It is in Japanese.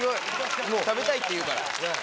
食べたいって言うから。